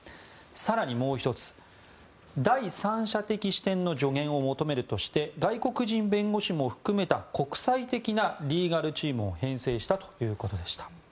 更にもう１つ第三者的視点の助言を求めるとして外国人弁護士も含めた国際的なリーガルチームを編成したということでした。